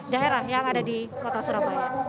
daerah yang ada di kota surabaya